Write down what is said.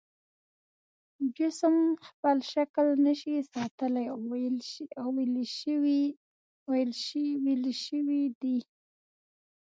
جسم خپل شکل نشي ساتلی او ویلې شوی دی.